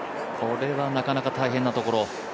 これはなかなか大変なところ。